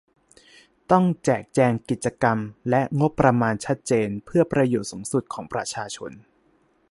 ต้องแจกแจงกิจกรรมและงบประมาณชัดเจนเพื่อประโยชน์สูงสุดของประชาชน